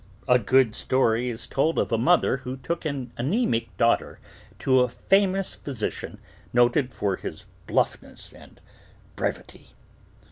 A good story is told of a mother who took an anemic daughter to a famous physician noted for his bluffness and brevity.